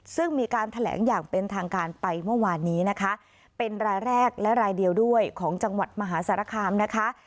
ซึ่งมีการแถลงอย่างเป็นทางการไปเมื่อวานนี้นะคะเป็นรายแรกและรายเดียวด้วยของจังหวัดมหาสารคามนะคะ